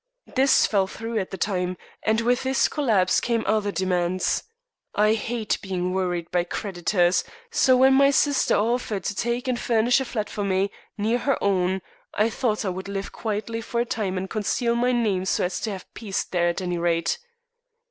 This fell through at the time, and with this collapse came other demands. I hate being worried by creditors, so when my sister offered to take and furnish a flat for me, near her own, I thought I would live quietly for a time and conceal my name so as to have peace there at any rate.